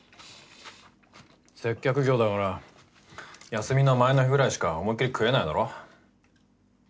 接客業だから休みの前の日くらいしか思いっきり食えないだろ？